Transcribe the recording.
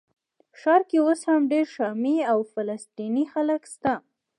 ښار کې اوس هم ډېر شامي او فلسطیني خلک شته.